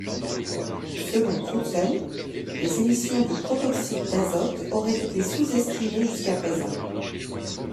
Selon Crutzen, les émissions de protoxyde d'azote auraient été sous-estimées jusqu'à présent.